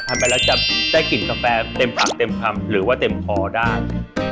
ทำไปแล้วจะได้กลิ่นกาแฟเต็มปากเต็มคำหรือว่าเต็มคอได้